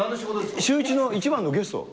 シューイチのイチバンのゲスト。